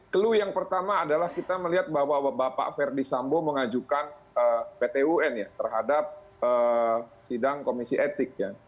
clue yang pertama adalah kita melihat bahwa bapak verdi sambo mengajukan pt un ya terhadap sidang komisi etik ya